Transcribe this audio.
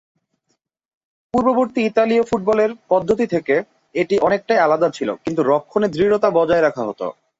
পূর্ববর্তী ইতালীয় ফুটবলের পদ্ধতি থেকে এটি অনেকটাই আলাদা ছিল, কিন্তু রক্ষণে দৃঢ়তা বজায় রাখা হত।